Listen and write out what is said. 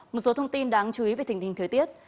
một số thông tin đáng chú ý về tình hình thời tiết